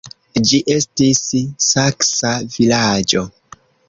Ĝi estis saksa vilaĝo.